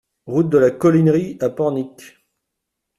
Route de la Colinerie à Pornic